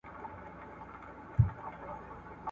ځینې وايي نه.